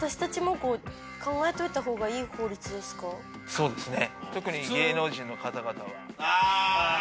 そうですね。